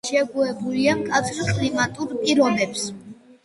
შეგუებულია მკაცრ კლიმატურ პირობებს.